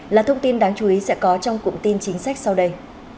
là thông tin đáng chú ý sẽ có trong cụm tin chính sách sau đây